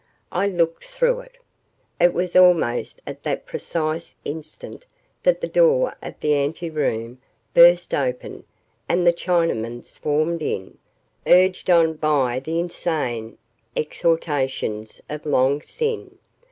I looked through it. It was almost at that precise instant that the door of the anteroom burst open and the Chinamen swarmed in, urged on by the insane exhortations of Long Sin.